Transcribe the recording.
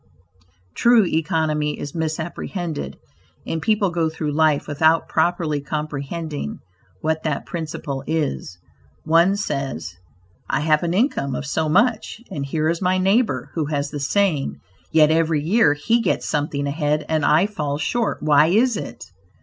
True economy is misapprehended, and people go through life without properly comprehending what that principle is. One says, "I have an income of so much, and here is my neighbor who has the same; yet every year he gets something ahead and I fall short; why is it?